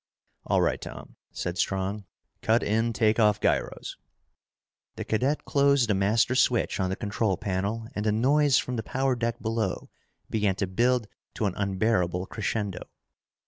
"All right, Tom," said Strong, "cut in take off gyros." The cadet closed the master switch on the control panel and the noise from the power deck below began to build to an unbearable crescendo!